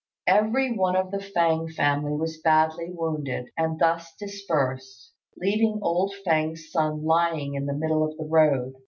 Every one of the Fêng family was badly wounded, and thus dispersed, leaving old Fêng's son lying in the middle of the road.